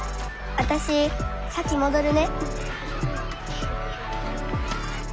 私先戻るね。